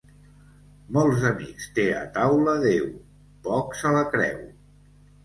Molts amics té a taula Déu, pocs a la creu.